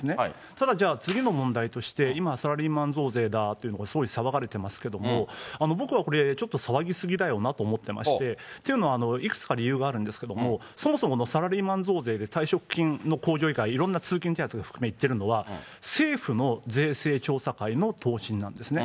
ただ、じゃあ、次の問題としては、今、サラリーマン増税だっていうのがすごい騒がれてますけれども、僕はこれ、ちょっと騒ぎ過ぎだよなと思ってまして、というのはいくつか理由があるんですけれども、そもそものサラリーマン増税で、退職金の控除以外、いろんな通勤手当含め言っているのは、政府の税制調査会の答申なんですね。